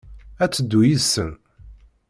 Ad teddu yid-sen?